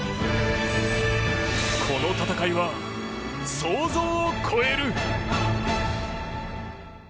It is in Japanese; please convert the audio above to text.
この戦いは想像を超える。